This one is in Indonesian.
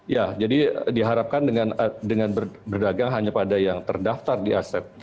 ya jadi diharapkan dengan berdagang hanya pada yang terdaftar di aset